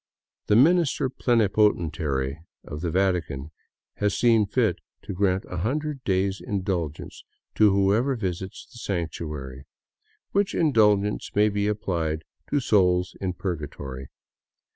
The Minister Plenipotentiary of the Vatican has seen fit to grant a hundred days' indulgence to whoever visits the sanctuary, " which indulgence may be applied to souls in Purgatory."